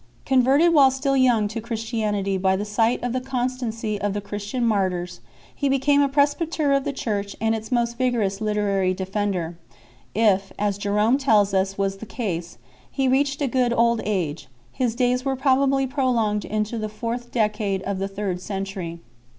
Converted while still young to Christianity by the sight of the constancy of the Christian martyrs, he became a presbyter of the Church and its most vigorous literary defender. If, as Jerome 2 tells us was the case, he reached a good old age, his days were probably prolonged into the fourth decade of the third century.